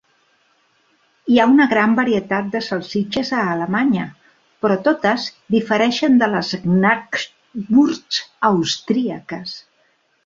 Hi ha una gran varietat de salsitxes a Alemanya, però totes difereixen de les 'Knackwurst' austríaques.